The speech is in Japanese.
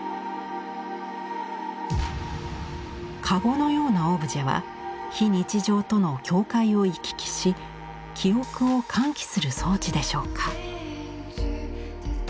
籠のようなオブジェは非日常との境界を行き来し記憶を喚起する装置でしょうか。